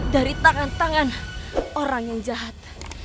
dari tangan tangan orang yang jahat